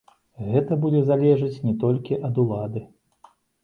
Гэта будзе залежыць не толькі ад улады.